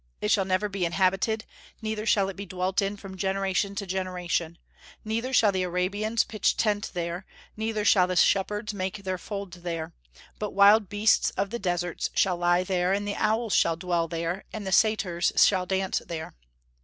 It shall never be inhabited, neither shall it be dwelt in from generation to generation; neither shall the Arabians pitch tent there, neither shall the shepherds make their fold there; but wild beasts of the deserts shall lie there, and the owls shall dwell there, and satyrs shall dance there."